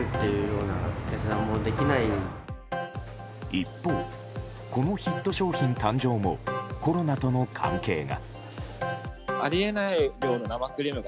一方、このヒット商品誕生もコロナとの関係が。